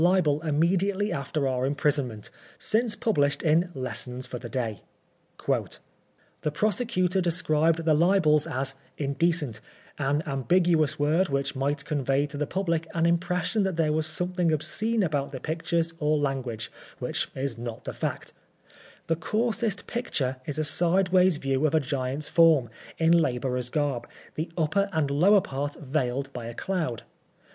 Libel immediately after our imprisonment, since pub lished in " Lessons for the Day ":— <*The prosecutor described the libels as *mdecent,' an am biguous word which might convey to the public an impression that there was something obscene about the pictures or Ismguage, which is not the fact The coarsest picture is a sidewise view of a giant's form, in laborer's garb, the upper and lower part veiled by a cloud.